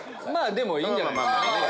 でもいいんじゃないですかね。